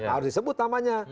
harus disebut namanya